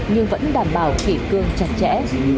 nhưng vẫn đảm bảo kỷ cương chặt chẽ